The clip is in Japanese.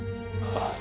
ああ。